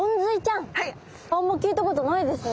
あんま聞いたことないですね。